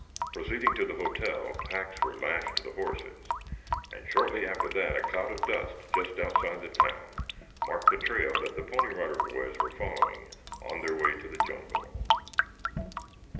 Proceeding to the hotel, packs were lashed to the horses, and shortly after that a cloud of dust just outside the town marked the trail that the Pony Rider Boys were following on their way to the jungle.